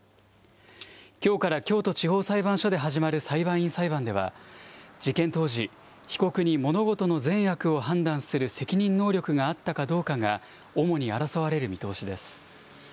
きょうから京都地方裁判所で始まる裁判員裁判では、事件当時、被告に物事の善悪を判断する責任能力があったかどうかが主に争われる見通しです。